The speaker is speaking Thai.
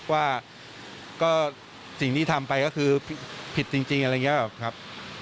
ว่าก็สิ่งที่ทำไปก็คือผิดจริงอะไรอย่างนี้ครับ